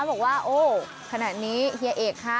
บอกว่าโอ้ขนาดนี้เฮียเอกค่ะ